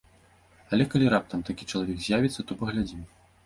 Але калі раптам такі чалавек з'явіцца, то паглядзім.